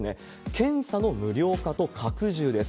検査の無料化と拡充です。